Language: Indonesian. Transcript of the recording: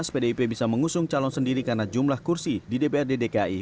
pdip bisa mengusung calon sendiri karena jumlah kursi di dprd dki